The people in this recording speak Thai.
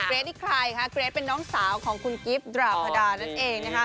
นี่ใครคะเกรทเป็นน้องสาวของคุณกิฟต์ดราพดานั่นเองนะคะ